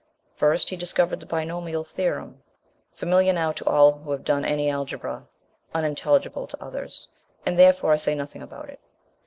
First he discovered the binomial theorem: familiar now to all who have done any algebra, unintelligible to others, and therefore I say nothing about it.